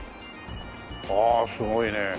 ああすごいねえ。